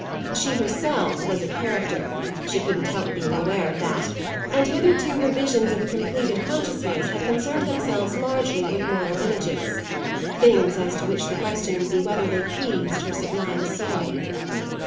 She herself was a character she couldn't help being aware of that; and hitherto her visions of a completed consciousness had concerned themselves largely with moral images things as to which the question would be whether they pleased her sublime soul.